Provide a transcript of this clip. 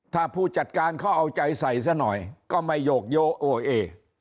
ถ้าผู้จัดการเขาเอาใจใส่ซะหน่อยก็ไม่โยกโยโอเอ